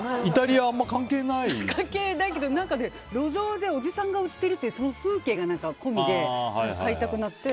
関係ないけど路上でおじさんが売ってるっていう風景込みで買いたくなって。